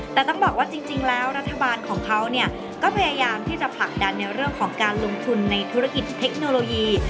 แต่ต้องบอกว่าจริงแล้วรัฐบาลของเขาก็พยายามที่จะผลักดันในเรื่องของการลงทุนในธุรกิจเทคโนโลยี